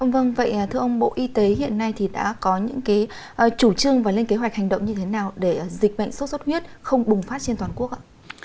vâng vậy thưa ông bộ y tế hiện nay thì đã có những chủ trương và lên kế hoạch hành động như thế nào để dịch bệnh sốt xuất huyết không bùng phát trên toàn quốc ạ